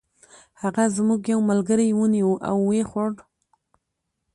هغه زموږ یو ملګری ونیوه او و یې خوړ.